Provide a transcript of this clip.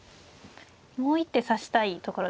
もう一手指したいところですね。